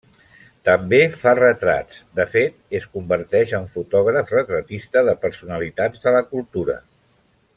També fa retrats; de fet, es converteix en fotògraf retratista de personalitats de la cultura.